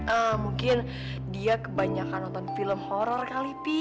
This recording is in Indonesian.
a mungkin dia kebanyakan nonton film horror kali pi